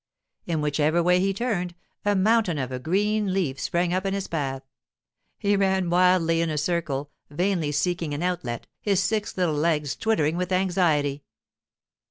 In whichever way he turned, a mountain of a green leaf sprang up in his path. He ran wildly in a circle, vainly seeking an outlet, his six little legs twittering with anxiety.